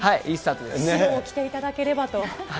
白を着ていただければと。